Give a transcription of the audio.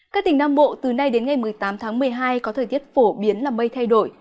các tỉnh nam bộ từ nay đến ngày một mươi tám tháng một mươi hai có thời tiết phổ biến là mây thay đổi